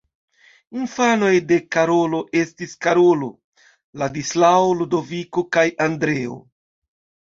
Infanoj de Karolo estis Karolo, Ladislao, Ludoviko kaj Andreo.